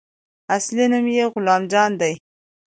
اصلي نوم يې غلام جان دى.